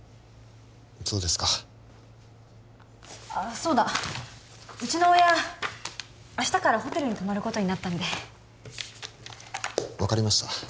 そうだうちの親明日からホテルに泊まることになったんで分かりました